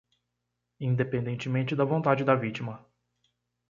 independentemente da vontade da vítima